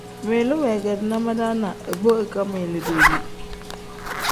Ngmiilu weegeerina madaana ibo ikangmiili deeli.